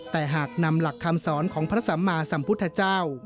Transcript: แต่หากนำหลักคำสอนของพระสัมมาสัมพุทธเจ้า